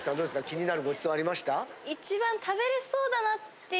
気になるごちそうありました？